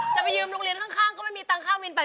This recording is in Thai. จะไปยืมโรงเรียนข้างก็ไม่มีตังค์ค่าวินไป